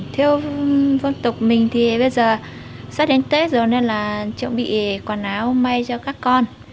theo dân tộc mình thì bây giờ sắp đến tết rồi nên là chuẩn bị quần áo may cho các con